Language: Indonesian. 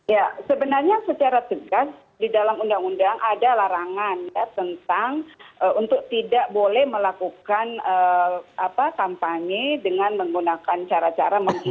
ya sebenarnya secara tegas di dalam undang undang ada larangan ya tentang untuk tidak boleh melakukan kampanye dengan menggunakan cara cara menghitung